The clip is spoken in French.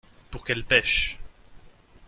Pour qu’elles pêchent.